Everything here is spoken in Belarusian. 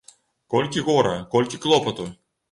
Колькі гора, колькі клопату!